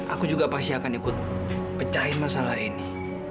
aku juga pasti akan ikut pecahin masalah ini